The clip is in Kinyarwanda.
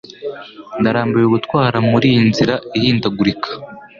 Ndarambiwe gutwara muri iyi nzira ihindagurika.